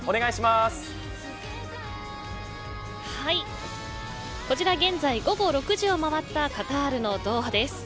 はい、こちら現在午後６時を回った、カタールのドーハです。